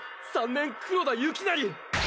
３年黒田雪成！！